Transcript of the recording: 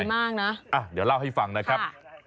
มากนะเดี๋ยวเล่าให้ฟังนะครับ